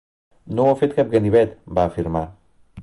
"No ho ha fet cap ganivet", va afirmar.